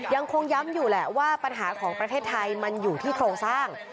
ยังคงย้ำอยู่แหละว่าปัญหาของประเทศไทยมันอยู่ที่โครงสร้าง